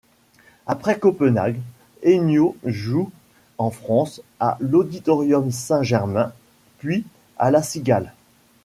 Après Copenhague, Ennio joue en France à l’Auditorium St Germain, puis à la Cigale.